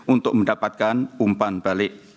untuk mendapatkan umpan balik